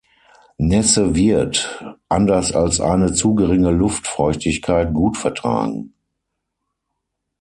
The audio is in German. Nässe wird, anders als eine zu geringe Luftfeuchtigkeit, gut vertragen.